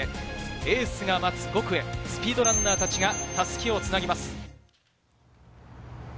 エースが待つ５区へスピードランナーたちが襷をつなぎます。